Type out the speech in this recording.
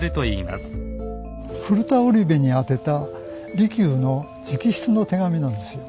古田織部に宛てた利休の直筆の手紙なんですよ。